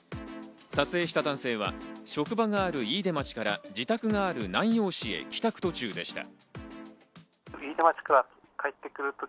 撮影した男性は職場がある飯豊町から自宅がある南陽市へ帰宅途中でした。